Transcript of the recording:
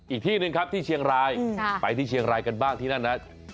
อีกที่หนึ่งครับที่เชียงรายไปที่เชียงรายกันบ้างที่นั่นนะ